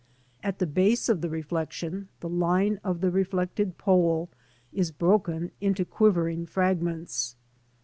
At the base of the reflection, the line of the reflected pole is broken into quivering fragments.